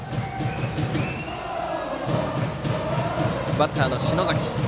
バッターは篠崎。